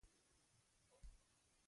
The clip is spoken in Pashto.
سپکوالی او بازار هم درپورې خاندي.